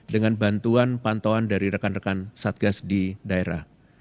dengan bantuan pantauan dari rekan rekan satgas di daerah